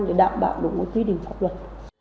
để đảm bảo đúng với quy định pháp luật